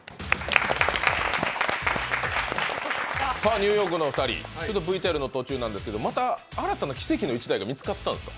ニューヨークのお二人ＶＴＲの途中なんですけどまた新たな奇跡の１台が見つかったんですか。